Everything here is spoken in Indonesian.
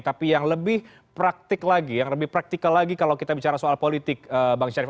tapi yang lebih praktik lagi yang lebih praktikal lagi kalau kita bicara soal politik bang syarif